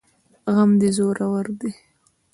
غم دي زورور دی